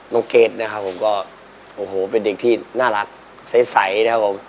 เกรดนะครับผมก็โอ้โหเป็นเด็กที่น่ารักใสนะครับผม